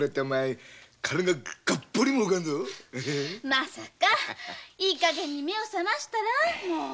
まさかいい加減に目を覚ましたら？